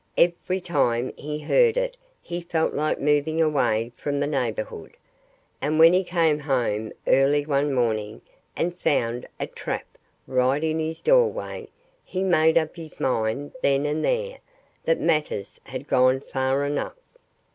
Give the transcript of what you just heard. Every time he heard it he felt like moving away from the neighborhood. And when he came home early one morning and found a trap right in his doorway he made up his mind then and there that matters had gone far enough.